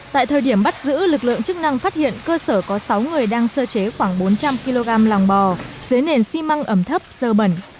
tại thời điểm bắt giữ lực lượng chức năng phát hiện cơ sở có sáu người đang sơ chế khoảng bốn trăm linh kg làng bò dưới nền xi măng ẩm thấp sơ bẩn